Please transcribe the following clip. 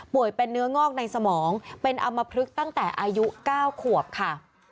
เป็นเนื้องอกในสมองเป็นอำมพลึกตั้งแต่อายุ๙ขวบค่ะ